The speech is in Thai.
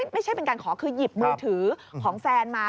ไม่ใช่เป็นการขอคือหยิบมือถือของแฟนมา